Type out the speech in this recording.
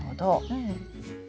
うん。